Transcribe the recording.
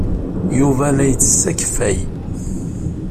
Yuba la yettess akeffay.